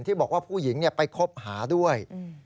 บอกว่าผู้หญิงไปคบหาด้วย